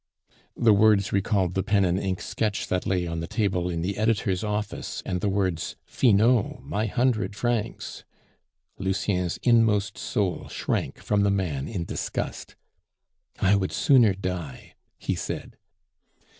The words recalled the pen and ink sketch that lay on the table in the editor's office and the words, "Finot, my hundred francs!" Lucien's inmost soul shrank from the man in disgust. "I would sooner die," he said.